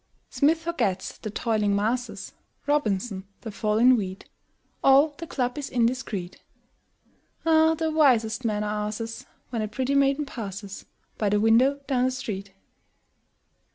Smith forgets the "toiling masses," Robinson, the fall in wheat; All the club is indiscret. Ah, the wisest men are asses When a pretty maiden passes By the window down the street!